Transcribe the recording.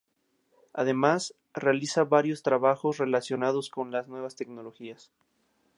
Además, realiza varios trabajos relacionados con las nuevas tecnologías.